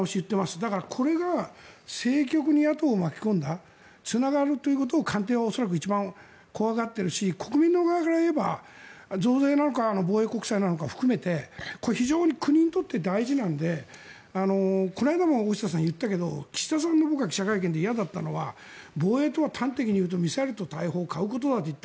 だから、これが政局に野党を巻き込んだつながるということを官邸はおそらく一番怖がっているし国民側から言えば、増税なのか防衛国債なのか含めて非常に国にとって大事なのでこの間も大下さん、言ったけど岸田さんの記者会見で嫌だったのは防衛とは端的に言うとミサイルと大砲を買うことだと言った。